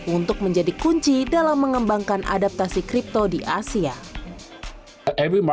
untuk menjadi kunci dalam mengembangkan adaptasi kripto di asia